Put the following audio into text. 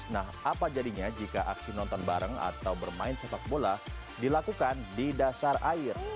nah apa jadinya jika aksi nonton bareng atau bermain sepak bola dilakukan di dasar air